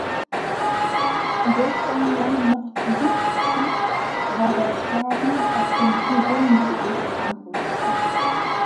Durch seine lange Nord-Süd-Achse war der Schaden auf dem Huronsee am größten.